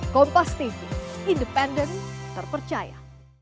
kompas tv independen terpercaya